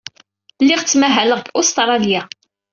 Lliɣ ttmahaleɣ deg Ustṛalya.